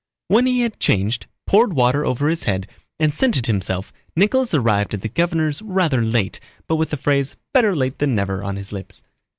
When he had changed, poured water over his head, and scented himself, Nicholas arrived at the governor's rather late, but with the phrase "better late than never" on his lips.